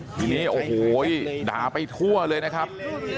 ทีนี้โอ้โหด่าไปทั่วเลยนะครับ